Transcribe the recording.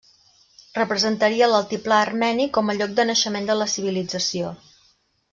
Representaria l'altiplà armeni com a lloc de naixement de la civilització.